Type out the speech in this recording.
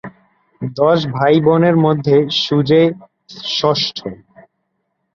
দশ ভাইবোনের মধ্যে সুজেয় ষষ্ঠ।